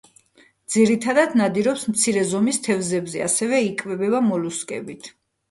ძირითადად ნადირობს მცირე ზომის თევზებზე, ასევე იკვებება მოლუსკებით.